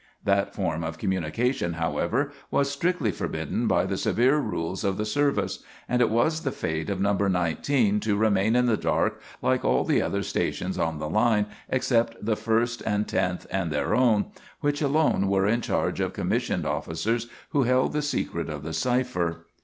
That form of communication, however, was strictly forbidden by the severe rules of the service, and it was the fate of Number 19 to remain in the dark, like all the other stations on the line, except the first and tenth and their own, which alone were in charge of commissioned officers who held the secret of the cipher.